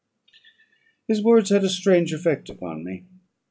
His words had a strange effect upon me.